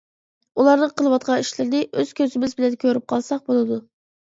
ئۇلارنىڭ قىلىۋاتقان ئىشلىرىنى ئۆز كۆزىمىز بىلەن كۆرۈپ قالساق. ؟ بولىدۇ.